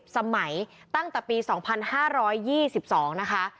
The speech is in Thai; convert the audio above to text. สมัยตั้งแต่ปี๒๕๒๒นะคะ